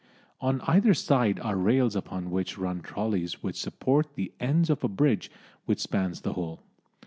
On either side are rails upon which run trollys which support the ends of a bridge which spans the whole.